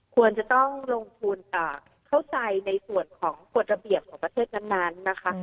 ควรจะต้องลงทุนเข้าใจในส่วนของกฎระเบียบของประเทศนั้นนะคะ